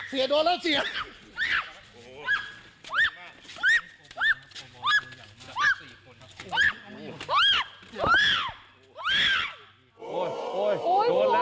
เฮ้ยก็เธอแรงเยอะมากเลยคุณชนะ